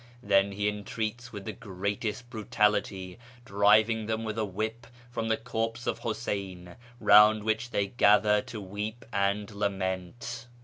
Them he entreats with the greatest brutality, driving them with a whip from the corpse of Huseyn, round which they gather to weep and lament.